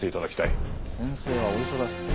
先生はお忙しい。